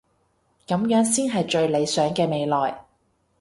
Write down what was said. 噉樣先係最理想嘅未來